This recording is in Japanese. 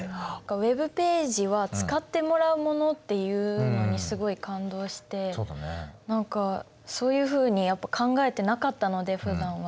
「Ｗｅｂページは使ってもらうもの」っていうのにすごい感動して何かそういうふうに考えてなかったのでふだんは。